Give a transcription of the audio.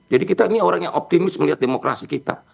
jadi kita ini orang yang optimis melihat demokrasi kita